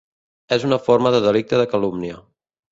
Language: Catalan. És una forma de delicte de calúmnia